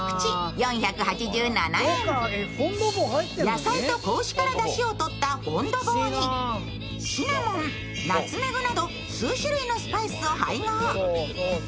野菜と子牛からだしをとったフォン・ド・ボーに、シナモン、ナツメグなど数種類のスパイスを配合。